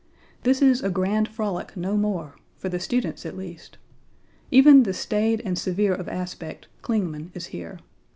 This is a grand frolic no more for the students, at least. Even the staid and severe of aspect, Clingman, is here.